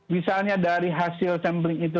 misalnya dari hasil sampling itu